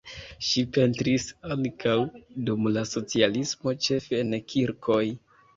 Ŝi pentris ankaŭ dum la socialismo ĉefe en kirkoj.